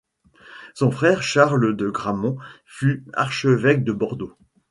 Son frère Charles de Gramont fut archevêque de Bordeaux.